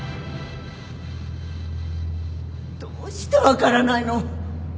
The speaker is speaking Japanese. どうして分からないの？